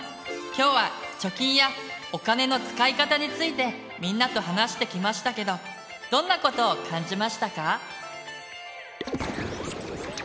今日は「貯金」や「お金の使い方」についてみんなと話してきましたけどどんなことを感じましたか？